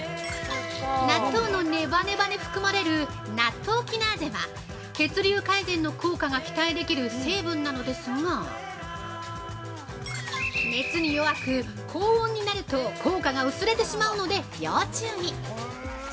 ◆納豆のネバネバに含まれる、ナットウキナーゼは血流改善の効果が期待できる成分なのですが熱に弱く、高温になると効果が薄れてしまうので要注意！